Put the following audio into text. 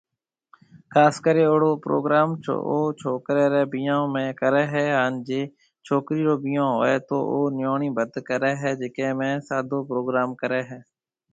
خاص ڪري اهڙو پروگرام او ڇوڪري ري بيھون۾ ڪري هي هان جي ڇوڪرِي رو بيھونهوئي تو او نيوڻي ڀت ڪري هي جڪي ۾ سادو پروگرام ڪري هي